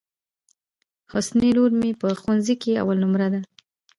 حسنی لور مي په ښوونځي کي اول نمبر ده.